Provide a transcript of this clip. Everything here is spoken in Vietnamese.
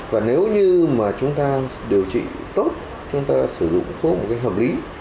và nếu như chúng ta điều trị tốt chúng ta sử dụng có một hợp lý